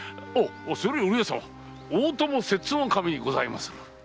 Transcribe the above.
それより上様大友摂津守にございます。